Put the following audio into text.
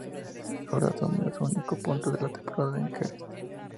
Jordá sumó su único punto de la temporada en Jerez.